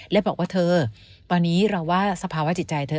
และบอกว่าเธอตอนนี้เราว่าสภาวะจิตใจเธอ